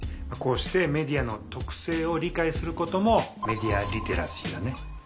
こうしてメディアの特性を理解することもメディア・リテラシーだね。